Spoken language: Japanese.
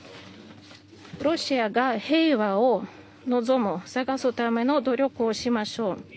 ロシアが平和を望む探すための努力をしましょう。